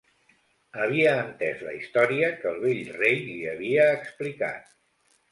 Havia entès la història que el vell rei li havia explicat.